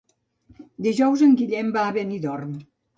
Dijous en Guillem va a Benidorm.